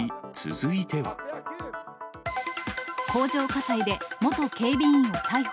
工場火災で元警備員を逮捕。